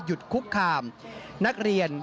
คุกคามนักเรียน